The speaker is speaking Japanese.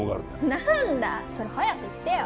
なんだそれ早く言ってよ